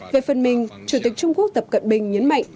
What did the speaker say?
về phần mình chủ tịch trung quốc tập cận bình nhấn mạnh